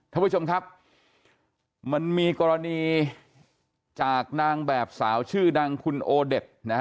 ท่านผู้ชมครับมันมีกรณีจากนางแบบสาวชื่อดังคุณโอเด็ดนะฮะ